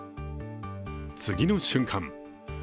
次の瞬間